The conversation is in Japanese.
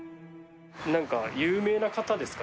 なんか有名な方ですか？